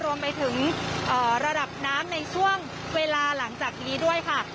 รวมไปถึงระดับน้ำในช่วงเวลาหลังจากนี้ด้วยค่ะ